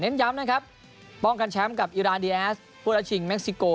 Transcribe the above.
เน้นย้ำนะครับป้องกันแชมป์กับอิราณเดียสปลูดราชิงเม็คซิโก